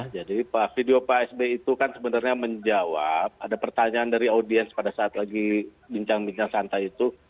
jadi video pak sby itu sebenarnya menjawab ada pertanyaan dari audiens pada saat lagi bincang bincang santai itu